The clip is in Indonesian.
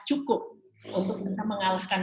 cukup untuk bisa mengalahkan